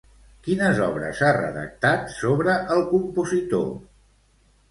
Quines obres ha redactat sobre el compositor?